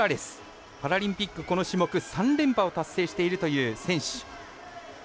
パラリンピック、この種目３連覇を達成しているという選手。